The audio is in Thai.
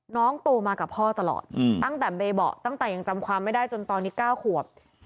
โตมากับพ่อตลอดตั้งแต่เบย์บอกตั้งแต่ยังจำความไม่ได้จนตอนนี้๙ขวบ